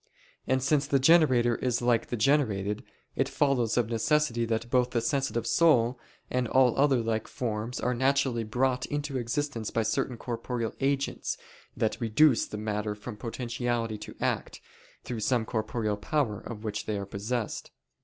And since the generator is like the generated, it follows of necessity that both the sensitive soul, and all other like forms are naturally brought into existence by certain corporeal agents that reduce the matter from potentiality to act, through some corporeal power of which they are possessed.